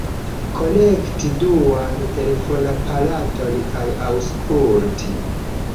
Konekti duan telefonaparaton kaj aŭskulti.